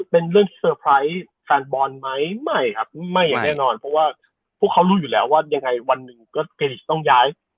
เป็นเรื่องเซอร์ไพรส์แฟนบอลไหมไม่ครับไม่อย่างแน่นอนเพราะว่าพวกเขารู้อยู่แล้วว่ายังไงวันหนึ่งก็เครดิตต้องย้าย